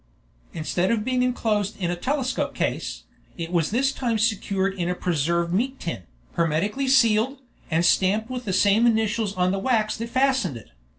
Instead of being enclosed in a telescope case, it was this time secured in a preserved meat tin, hermetically sealed, and stamped with the same initials on the wax that fastened it.